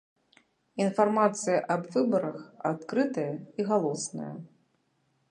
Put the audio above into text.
Інфармацыя аб выбарах адкрытая і галосная.